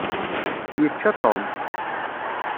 Yečča Tom.